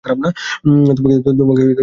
তোমাকে সরাসরি বলতে চেয়েছিলাম।